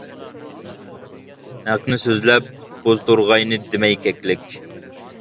ھەقنى سۆزلەپ بوز تورغاينى دېمەي كەكلىك.